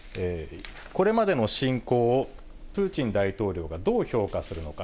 これまでの侵攻をプーチン大統領がどう評価するのか。